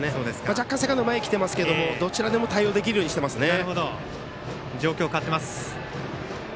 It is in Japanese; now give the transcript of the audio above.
若干、セカンド前に来てますけどどちらでも対応できるようにしていますね。